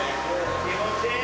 気持ちいい！